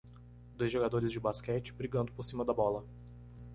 Dois jogadores de basquete, brigando por cima da bola.